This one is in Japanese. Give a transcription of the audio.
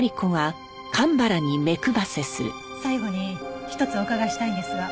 最後に一つお伺いしたいんですが。